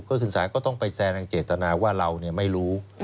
ก็คือสารก็ต้องไปแซงทางเจตนาว่าเราไม่รู้